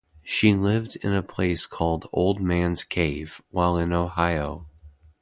She lived in a place called "Old Man's Cave" while in Ohio.